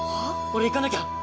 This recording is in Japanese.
俺行かなきゃ！